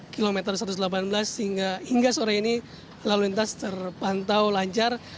kilometer satu ratus delapan belas hingga sore ini lalu lintas terpantau lancar